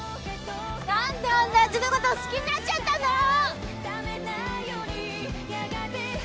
「何であんなやつのこと好きになっちゃったんだろ！」